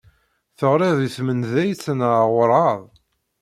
Teɣrid i tmenḍayt neɣ werɛad?